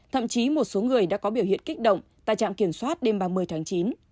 thậm chí một số người đã có biểu hiện kích động tại trạm kiểm soát đêm ba mươi tháng chín